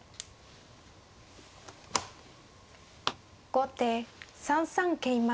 後手３三桂馬。